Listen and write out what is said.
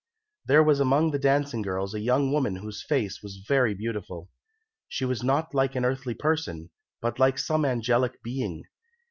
There was among the dancing girls a young woman whose face was very beautiful. She was not like an earthly person, but like some angelic being.